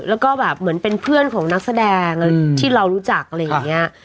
แล้วก็แบบเหมือนเป็นเพื่อนของนักแสดงที่เรารู้จักอะไรอย่างนี้